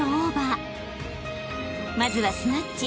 ［まずはスナッチ。